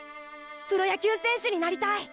プロ野球選手になりたい！